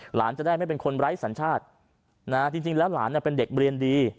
หลานจะได้ไม่เป็นคนไร้สัญชาติจริงแล้วหลานเป็นเด็กเรียนดี